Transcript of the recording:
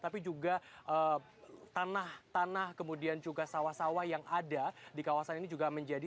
tapi juga tanah tanah kemudian juga sawah sawah yang ada di kawasan ini juga menjadi